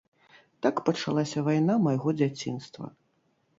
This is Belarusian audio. Так пачалася вайна майго дзяцінства.